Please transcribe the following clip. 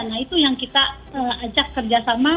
nah itu yang kita ajak kerjasama